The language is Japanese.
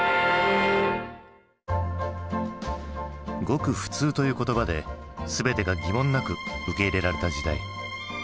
「ごく普通」という言葉で全てが疑問なく受け入れられた時代。